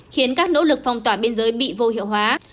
khiến các nỗ lực phong tỏa biên giới bị vô hiệu hóa